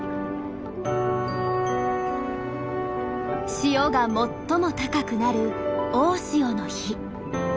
潮が最も高くなる大潮の日。